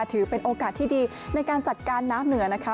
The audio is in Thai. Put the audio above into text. ถือเป็นโอกาสที่ดีในการจัดการน้ำเหนือนะคะ